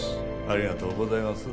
ありがとうございます。